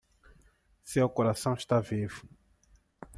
Seu coração está vivo.